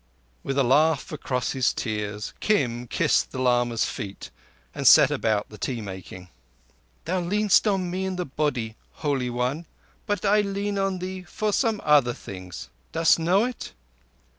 With a laugh across his tears, Kim kissed the lama's feet, and set about the tea making. "Thou leanest on me in the body, Holy One, but I lean on thee for some other things. Dost know it?"